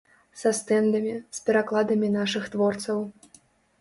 Са стэндамі, з перакладамі нашых творцаў.